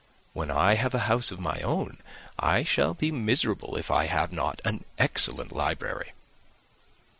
When I have a house of my own, I shall be miserable if I have not an excellent library."